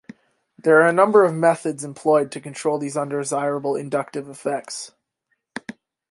There are a number of methods employed to control these undesirable inductive effects.